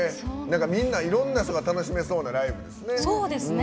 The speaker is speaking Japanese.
みんないろんな人が楽しめそうなライブですね。